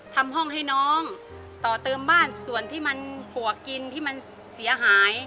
ทำห้องให้น้องต่อเติมบ้านส่วนที่มันปวกกินที่มันเสียหาย